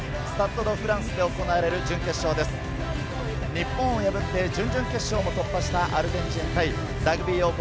日本を破って、準々決勝も突破したアルゼンチン対ラグビー王国